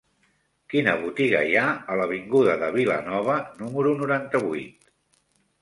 Quina botiga hi ha a l'avinguda de Vilanova número noranta-vuit?